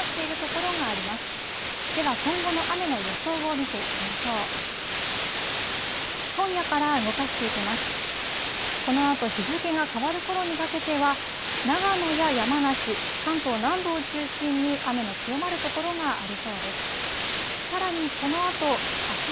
このあと、日付が変わるころにかけては、長野や山梨、関東南部を中心に雨の強まる所がありそうです。